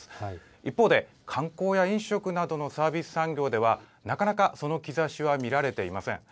一方で観光や飲食などのサービス産業では、なかなかその兆しは見られていません。